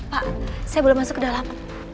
pak saya belum masuk ke dalam